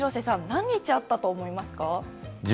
何日あったと思いますか。